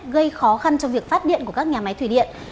gây khó khăn cho việc phát điện của các nhà máy thủy điện